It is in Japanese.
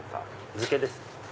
漬けですね。